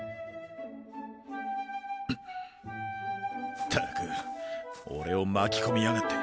ったく俺を巻き込みやがって。